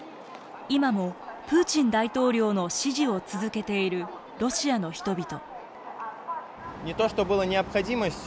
今もプーチン大統領の支持を続けているロシアの人々。